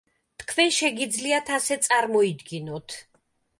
თქვენ შეგიძლიათ ასე წარმოიდგინოთ.